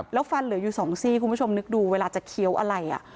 แล้วฟันเหลืออยู่สองซี่คุณผู้ชมนึกดูเวลาจะเคี้ยวอะไร